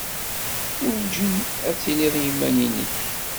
Werjin ad tiliḍ i yiman-nnek.